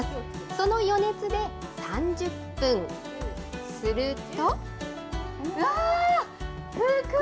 その余熱で３０分、すると。